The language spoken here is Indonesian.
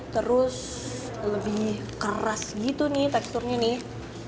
terus lebih keras gitu nih teksturnya nih